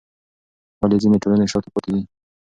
ولې ځینې ټولنې شاته پاتې دي؟